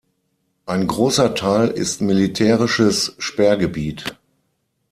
Ein großer Teil ist militärisches Sperrgebiet.